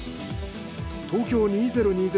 東京２０２０